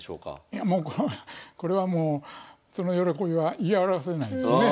いやもうこれはもうその喜びは言い表せないですね。